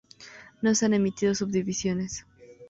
No se han emitido subdivisiones.